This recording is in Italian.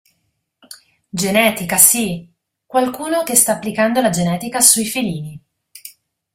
Genetica, sì... qualcuno che sta applicando la genetica sui felini.